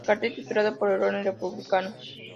El cartel titulado "¡Por el orden republicano!